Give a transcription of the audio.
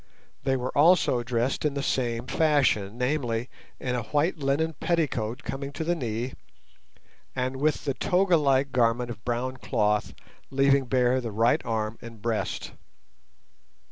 They were also dressed in the same fashion namely, in a white linen petticoat coming to the knee, and with the toga like garment of brown cloth, leaving bare the right arm and breast.